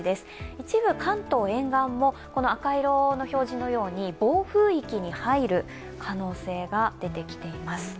一部、関東沿岸も、赤色の表示のように暴風域に入る可能性が出てきています。